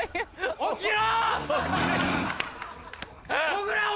起きろ！